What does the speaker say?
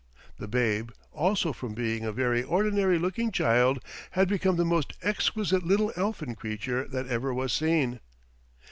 The babe, also, from being a very ordinary looking child, had become the most exquisite little elfin creature that ever was seen.